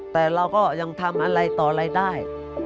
แต่เราก็ยังทำอะไรต่ออะไรได้